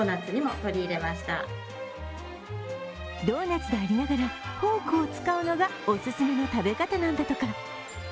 ドーナツでありながら、フォークを使うのがお勧めの食べ方なんだとか。